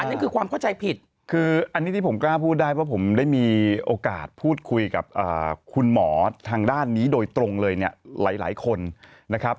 นั่นคือความเข้าใจผิดคืออันนี้ที่ผมกล้าพูดได้เพราะผมได้มีโอกาสพูดคุยกับคุณหมอทางด้านนี้โดยตรงเลยเนี่ยหลายคนนะครับ